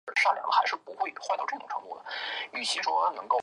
构建完成的卡组。